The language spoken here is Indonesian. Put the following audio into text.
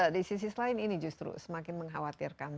di sisi lain ini justru semakin mengkhawatirkan